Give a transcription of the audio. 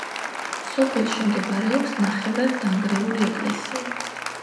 სოფელში მდებარეობს ნახევრად დანგრეული ეკლესია.